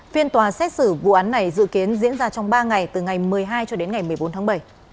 phiên tòa xét xử vụ án này dự kiến diễn ra trong ba ngày từ ngày một mươi hai cho đến ngày một mươi bốn tháng bảy